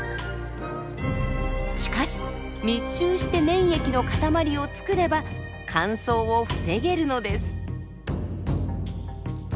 しかし密集して粘液の塊をつくれば乾燥を防げるのです。